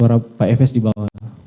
suara pak efes di bawah